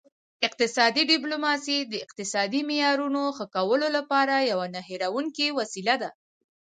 اقتصادي ډیپلوماسي د اقتصادي معیارونو ښه کولو لپاره یوه نه هیریدونکې وسیله ده